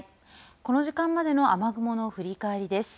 この時間までの雨雲の振り返りです。